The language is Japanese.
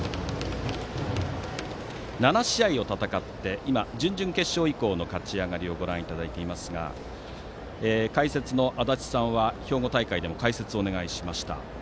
７試合を戦って準々決勝以降の勝ち上がりをご覧いただいていますが解説の足達さんは兵庫大会でも解説をお願いしました。